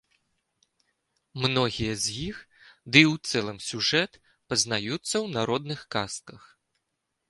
Многія з іх, ды і ў цэлым сюжэт, пазнаюцца ў народных казках.